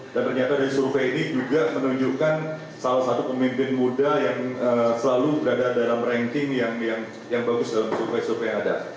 dan ternyata dari survei ini juga menunjukkan salah satu pemimpin muda yang selalu berada dalam ranking yang bagus dalam survei survei yang ada